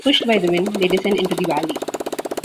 Pushed by the wind, they descend into the valley.